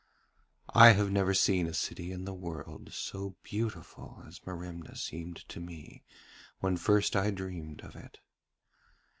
I have never seen a city in the world so beautiful as Merimna seemed to me when first I dreamed of it.